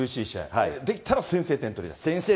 できたら先制点取りたい？